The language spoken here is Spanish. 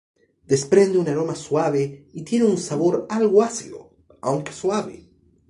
Desprende un aroma suave y tiene un sabor algo ácido, aunque suave.